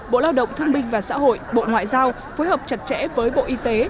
bộ lao động thương minh và xã hội bộ ngoại giao phối hợp chặt chẽ với bộ y tế